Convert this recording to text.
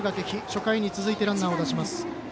初回に続いてランナーを出します。